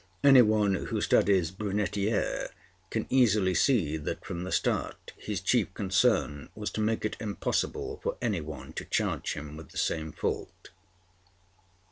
Any one who studies Brunetière can easily see that from the start his chief concern was to make it impossible for any one to charge him with the same fault.